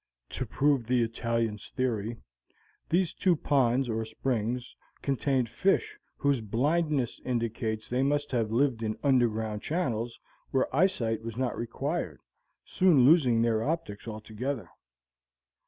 To prove the Italian's theory, these two ponds, or springs, contained fish whose blindness indicates they must have lived in underground channels where eyesight was not required, soon losing their optics altogether.